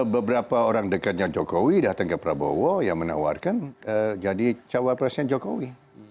beberapa orang dekatnya jokowi datang ke prabowo yang menawarkan jadi cawapresnya jokowi